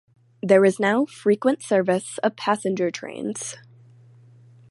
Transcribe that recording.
There is now frequent service of passenger trains.